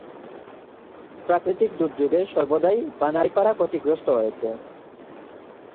প্রাকৃতিক দুর্যোগে সর্বদাই বানারীপাড়া ক্ষতিগ্রস্ত হয়েছে।